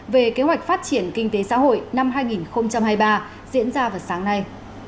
về kế hoạch phát triển kinh tế xã hội năm hai nghìn hai mươi ba diễn ra vào sáng nay